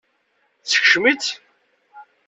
Teskcem-itt?